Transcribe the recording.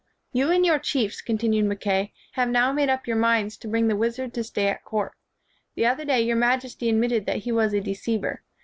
"You and your chiefs," continued Mac kay, "have now made up your minds to bring the wizard to stay at court. The other day your majesty admitted that he was a deceiver.